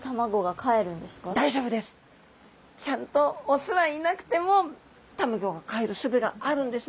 ちゃんと雄はいなくてもたまギョがかえるすべがあるんですね。